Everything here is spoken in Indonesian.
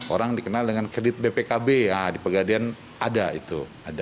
orang dikenal dengan kredit bpkb di pegadaian ada itu